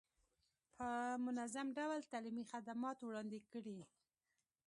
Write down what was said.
په منظم ډول تعلیمي خدمات وړاندې کړي.